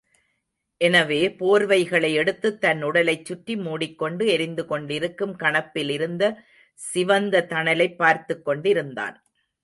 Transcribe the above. எனவே போர்வைகளை எடுத்துத் தன் உடலைச் சுற்றி மூடிக்கொண்டு எரிந்து கொண்டிருக்கும் கணப்பில் இருந்த சிவந்த தணலைப் பார்த்துக்கொண்டிருந்தான்.